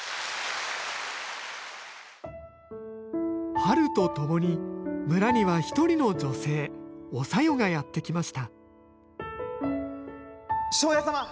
春とともに村には一人の女性お小夜がやって来ました庄屋様！